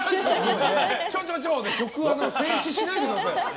ちょちょちょで制止しないでください。